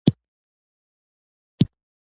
د خبرو د ناسم درک لمړی لامل دادی